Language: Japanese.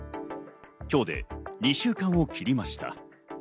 今日で２週間を切りました。